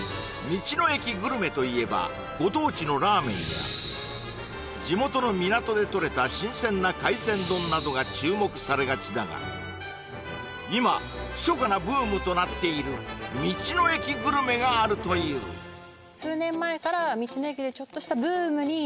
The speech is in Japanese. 道の駅グルメといえばご当地のラーメンや地元の港でとれた新鮮な海鮮丼などが注目されがちだが今ひそかなブームとなっている道の駅グルメがあるというはいそれがあのこちらですでん！